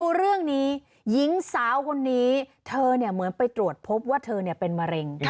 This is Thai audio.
ดูเรื่องนี้หญิงสาวคนนี้เธอเหมือนไปตรวจพบว่าเธอเป็นมะเร็ง